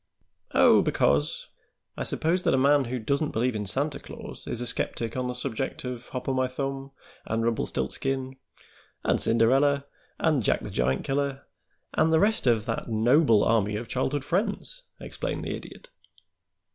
"Oh, because; I suppose that a man who doesn't believe in Santa Claus is a skeptic on the subject of Hop o' My Thumb, and Rumpelstiltzken, and Cinderella, and Jack the Giant Killer, and all the rest of that noble army of childhood friends," explained the Idiot.